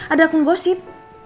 ada akun gosip